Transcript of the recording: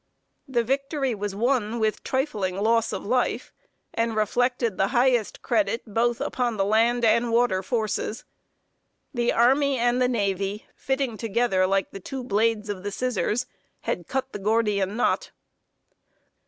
The victory was won with trifling loss of life, and reflected the highest credit both upon the land and water forces. The army and the navy, fitting together like the two blades of the scissors, had cut the gordian knot.